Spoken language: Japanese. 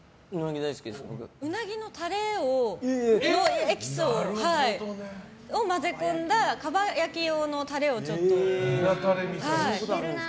ウナギのタレのエキスを混ぜ込んだかば焼き用のタレをちょっと。